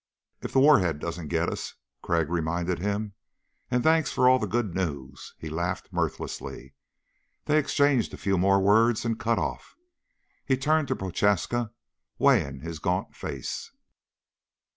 "If the warhead doesn't get us," Crag reminded him. "And thanks for all the good news." He laughed mirthlessly. They exchanged a few more words and cut off. He turned to Prochaska, weighing his gaunt face.